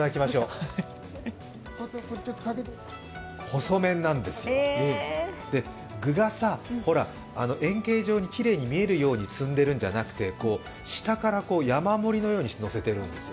細麺なんですよ、で、具がさ円形状にきれいに見えるように積んでるんじゃなくて、下から山盛りのようにのせてるんですよ。